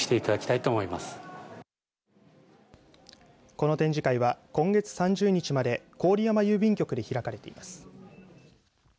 この展示会は今月３０日まで郡山郵便局で開かれています。